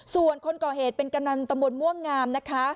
ส่วนคนก่อเหตุเป็นกำนันตำบลม่วงงามนะคะ